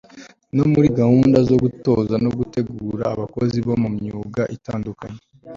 no muri gahunda zo gutoza no gutegura abakozi bo mu myuga itandukanye